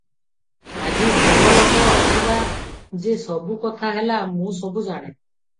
ଆଜି ଭଲଲୋକ ଆସିବା- ଯେ ସବୁ କଥା ହେଲା, ମୁଁ ସବୁ ଜାଣେ ।